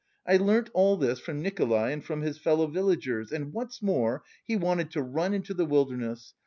I learnt all this from Nikolay and from his fellow villagers. And what's more, he wanted to run into the wilderness!